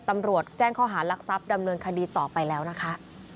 ตำรวจแจ้งข้อหารักทรัพย์ดำเนินคดีต่อไปแล้วนะคะ